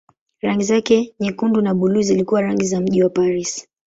Rangi za nyekundu na buluu zilikuwa rangi za mji wa Paris.